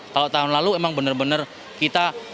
kalau tahun lalu emang benar benar kita